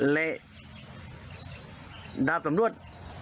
เล่ดาบสำรวจ